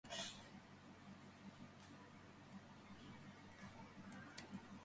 მისი მამა იყო ადგილობრივი საგადასახადო კოლექციონერი, რომელსაც მოკრძალებული შემოსავალი ჰქონდა.